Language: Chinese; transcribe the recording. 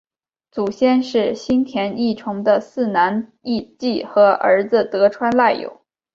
祖先是新田义重的四男义季和儿子得川赖有。